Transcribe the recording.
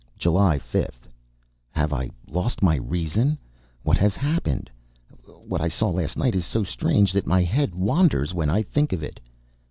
July 5th. Have I lost my reason? What has happened? What I saw last night is so strange that my head wanders when I think of it!